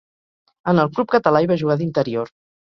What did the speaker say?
En el club català hi va jugar d'interior.